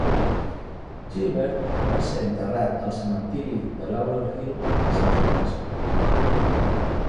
Gilbert va ser enterrat al cementiri de Laurel Hill, a San Francisco.